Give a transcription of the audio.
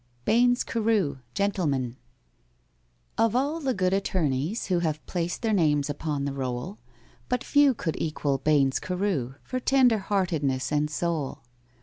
BAINES CAREW, GENTLEMAN OF all the good attorneys who Have placed their names upon the roll, But few could equal BAINES CAREW For tender heartedness and soul.